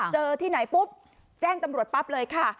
ที่ไหนปุ๊บแจ้งตำรวจปั๊บเลยค่ะ